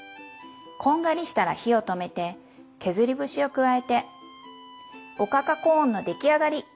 こんがりしたら火を止めて削り節を加えておかかコーンの出来上がり！